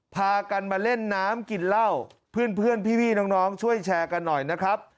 พากันมาเล่นน้ำกินเหล้าเพื่อนพี่น้องช่วยแชร์กันหน่อยนะครับ